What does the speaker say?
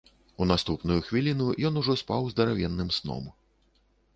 У наступную хвіліну ён ужо спаў здаравенным сном.